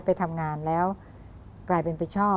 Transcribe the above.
ไปทำงานแล้วกลายเป็นไปชอบ